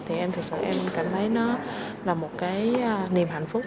thì em thực sự em cảm thấy nó là một cái niềm hạnh phúc